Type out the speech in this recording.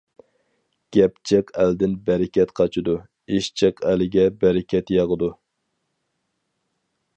گەپ جىق ئەلدىن بەرىكەت قاچىدۇ، ئىش جىق ئەلگە بەرىكەت ياغىدۇ.